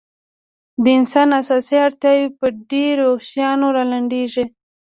د انسان اساسي اړتیاوې په درېو شیانو رالنډېږي.